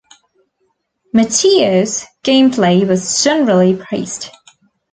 "Meteos" gameplay was generally praised.